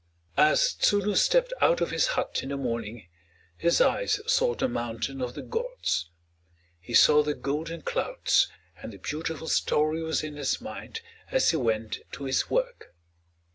As Tsunu stepped out of his hut in the morning, his eyes sought the Mountain of the Gods. He saw the golden clouds, and the beautiful story was in his mind as he went to his work.